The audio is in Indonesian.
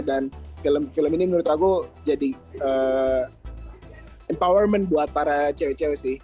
dan film ini menurut aku jadi empowerment buat para cewek cewek sih